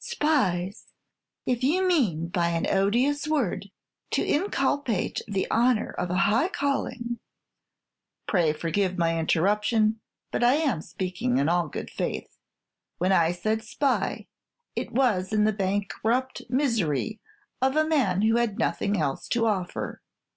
"Spies! If you mean by an odious word to inculpate the honor of a high calling " "Pray forgive my interruption, but I am speaking in all good faith. When I said 'spy,' it was in the bankrupt misery of a man who had nothing else to offer.